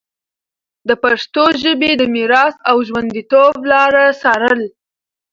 د پښتو ژبي د میراث او ژونديتوب لاره څارله